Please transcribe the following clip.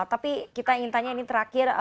tapi kita ingin tanya ini terakhir